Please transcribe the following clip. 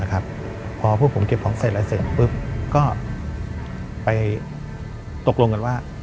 พอพวกผมเก็บของเสร็จแล้วเสร็จปุ๊บก็ไปตกลงกันว่า